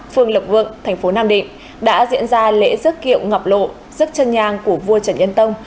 phường lộc vượng thành phố nam định đã diễn ra lễ dước kiệu ngọc lộ rước chân nhang của vua trần nhân tông